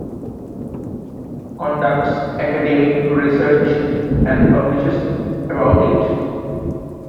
Conducts academic research and publishes about it.